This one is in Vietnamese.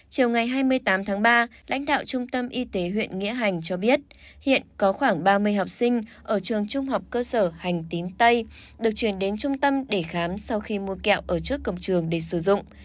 chiều ngày hai mươi tám tháng ba lãnh đạo trung tâm y tế huyện nghĩa hành cho biết hiện có khoảng ba mươi học sinh ở trường trung học cơ sở hành tín tây được chuyển đến trung tâm để khám sau khi mua kẹo ở trước cổng trường để sử dụng